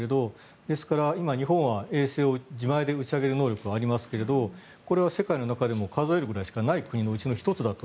ですから、今、日本は自前で衛星を打ち上げる能力がありますがこれは世界の中でも数えるぐらいしかない国の１つであると。